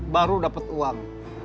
baru dapat uang